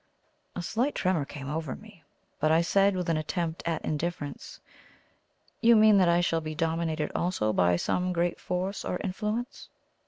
A slight tremor came over me; but I said with an attempt at indifference: "You mean that I shall be dominated also by some great force or influence?"